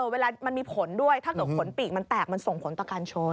เวลามันมีขนด้วยถ้าเกิดขนปีกมันแตกมันส่งขนตะกันชน